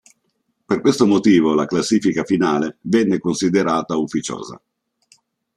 Per questo motivo la classifica finale venne considerata ufficiosa.